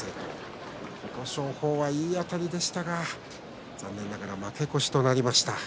琴勝峰は、いいあたりでしたが残念ながら負け越しとなりました。